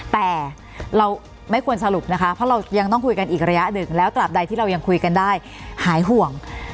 แต่เราไม่ควรสรุปนะคะเพราะเรายังต้องคุยกันอีกระยะหนึ่งแล้วตราบใดที่เรายังคุยกันได้หายห่วง